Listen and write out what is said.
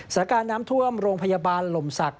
สถานการณ์น้ำท่วมโรงพยาบาลลมศักดิ